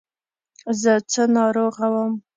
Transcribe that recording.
زه څه ناروغه وم.